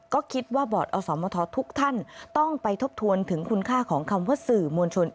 ก็คิดว่าบอร์ดอสมททุกท่านต้องไปทบทวนถึงคุณค่าของคำว่าสื่อมวลชน